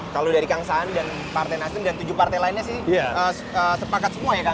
kalau dari kang saan dan partai nasdem dan tujuh partai lainnya sih sepakat semua ya kang